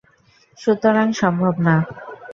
সুতরাং সম্ভব না।